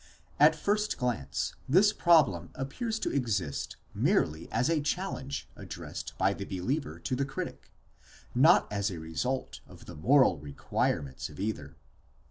At the first glance, this problem appears to exist merely as a challenge ad dressed by the believer to the critic, not as a result of the moral requirements of either.